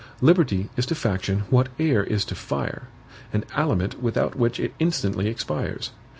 Liberty is to faction what air is to fire, an aliment without which it instantly expires.